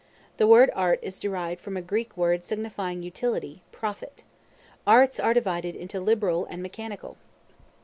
The word art is derived from a Greek word signifying utility, profit. Arts are divided into liberal and mechanical.